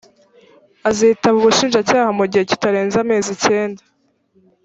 azitaba ubushinjacyaha mu gihe kitarenze amezi icyenda